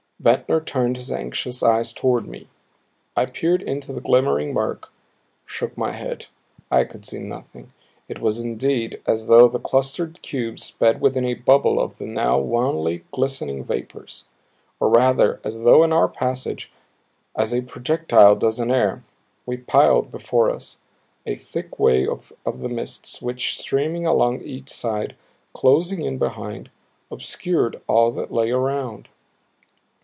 Ventnor turned his anxious eyes toward me. I peered into the glimmering murk; shook my head. I could see nothing. It was indeed, as though the clustered cubes sped within a bubble of the now wanly glistening vapors; or rather as though in our passage as a projectile does in air we piled before us a thick wave of the mists which streaming along each side, closing in behind, obscured all that lay around.